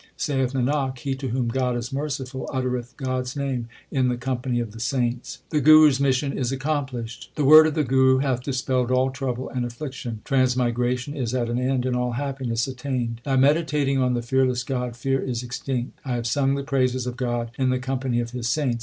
Saith Nanak, he to whom God is merciful Uttereth God s name in the company of the saints. The Guru s mission is accomplished : The word of the Guru hath dispelled all trouble and affliction ; Transmigration is at an end, and all happiness attained. By meditating on the Fearless God, fear is extinct. I have sung the praises of God in the company of His saints.